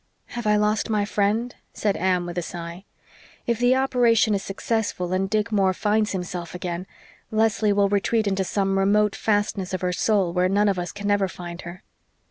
"Have I lost my friend?" said Anne with a sigh. "If the operation is successful and Dick Moore finds himself again Leslie will retreat into some remote fastness of her soul where none of us can ever find her."